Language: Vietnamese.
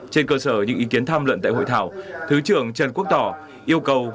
trên cơ sở những ý kiến tham luận tại hội thảo thứ trưởng trần quốc tỏ yêu cầu